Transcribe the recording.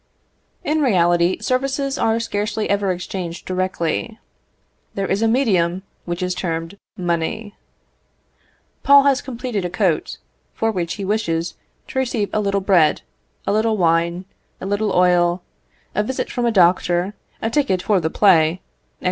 In reality, services are scarcely ever exchanged directly. There is a medium, which is termed money. Paul has completed a coat, for which he wishes to receive a little bread, a little wine, a little oil, a visit from a doctor, a ticket for the play, &c.